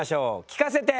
聞かせて！